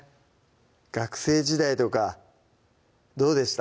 学生時代とかどうでした？